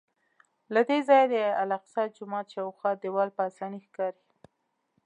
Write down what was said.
له دې ځایه د الاقصی جومات شاوخوا دیوال په اسانۍ ښکاري.